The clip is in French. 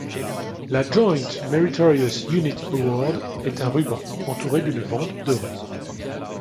La Joint Meritorious Unit Award est un ruban, entouré d'une bande dorée.